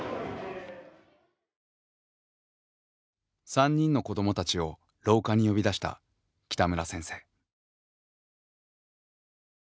３人の子どもたちを廊下に呼び出した北村先生。